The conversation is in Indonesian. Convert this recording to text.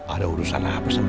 ada urusan apa sama tukang